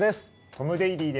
トム・デイリーです。